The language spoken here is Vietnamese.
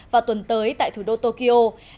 vào tuần tới tại thủ đô tokyo